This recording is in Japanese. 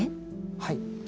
はい。